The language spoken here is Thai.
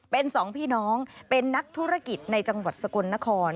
เป็นสองพี่น้องเป็นนักธุรกิจในจังหวัดสกลนคร